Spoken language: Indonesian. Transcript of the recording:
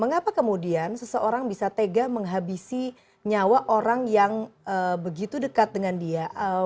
mengapa kemudian seseorang bisa tega menghabisi nyawa orang yang begitu dekat dengan dia